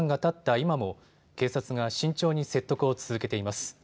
今も警察が慎重に説得を続けています。